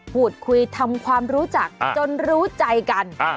พูดคุยทำความรู้จักจนรู้ใจกัน